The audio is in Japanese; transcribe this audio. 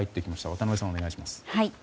渡辺さん、お願いします。